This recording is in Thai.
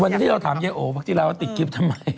วันที่เราถามเย้โอพอที่แล้วว่าติดกริปทำไม